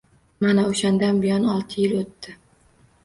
Mana, o‘shandan buyon olti yil o‘tdi...